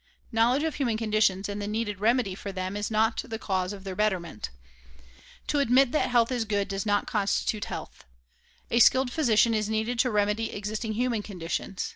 Knowledge of human conditions and the needed remedy for them is not the cause of their betterment. To admit that health is good does not constitute health. A skilled physician is needed to remedy existing human conditions.